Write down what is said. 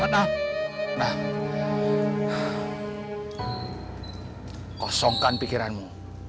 nah kosongkan pikiranmu